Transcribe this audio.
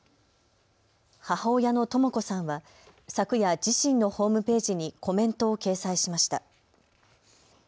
母親のとも子さんは昨夜自身のホームページにコメントを掲載しました。